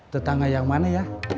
tetangga yang mana ya